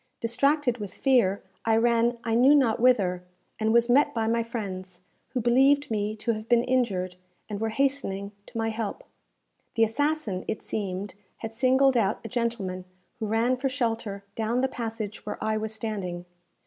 Distracted with fear, I ran I knew not whither, and was met by my friends, who believed me to have been injured, and were hastening to my help. The assassin, it seemed, had singled out a gentleman who ran for shelter down the passage where I was standing.